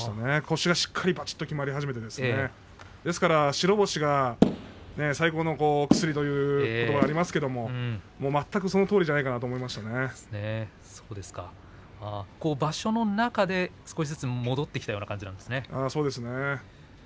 腰がしっかりばちっときまり始めてですから白星が最高の薬ということばがありますけれども全くそのとおりじゃないかなと場所の中で少しずつそうですね。